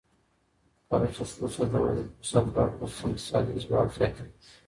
کله چې ښځو ته د ودې فرصت ورکړل شي، اقتصادي ځواک زیاتېږي.